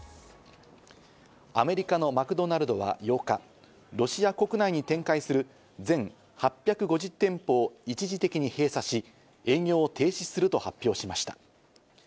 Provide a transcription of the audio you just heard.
アメリカのマクドナルドは８日、ロシア国内に展開する全８５０店舗を一時的に閉鎖し、営業を停止すると発表しました。